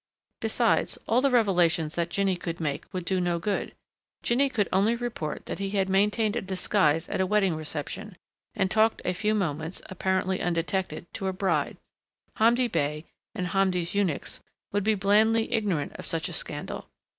Besides, all the revelations that Jinny could make would do no good. Jinny could only report that he had maintained a disguise at a wedding reception, and talked a few moments, apparently undetected, to a bride. Hamdi Bey, and Hamdi's eunuchs, would be blandly ignorant of such a scandal.